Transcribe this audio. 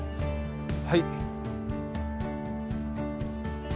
はい。